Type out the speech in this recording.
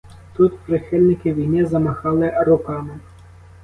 Тут прихильники війни замахали руками.